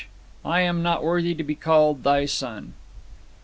'I AM NOT WORTHY TO BE CALLED THY SON.'